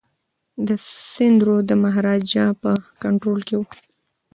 د سند رود د مهاراجا په کنټرول کي و.